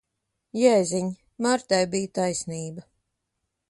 Jēziņ! Martai bija taisnība.